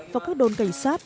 và các đồn cảnh sát